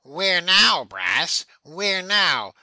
'Where now, Brass? where now?